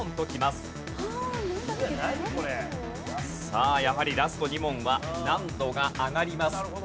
さあやはりラスト２問は難度が上がります。